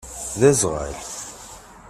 D aẓɣal.